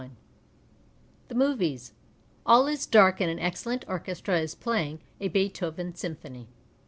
'221 THE MOVIES All is dark and an excellent orchestra is playing a Beethoven symphony.